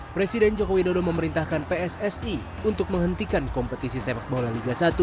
presiden joko widodo memerintahkan pssi untuk menghentikan kompetisi sepak bola liga satu